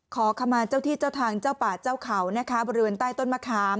ขอขมาเจ้าที่เจ้าทางเจ้าป่าเจ้าเขานะคะบริเวณใต้ต้นมะขาม